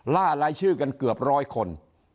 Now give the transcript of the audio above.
ล่ารายชื่อกันเกือบร้อยคน